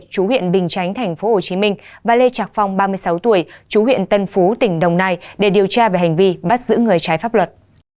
chú huyện bình chánh tp hcm và lê trạc phong ba mươi sáu tuổi chú huyện tân phú tỉnh đồng nai để điều tra về hành vi bắt giữ người trái pháp luật